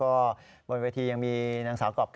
นายยกรัฐมนตรีพบกับทัพนักกีฬาที่กลับมาจากโอลิมปิก๒๐๑๖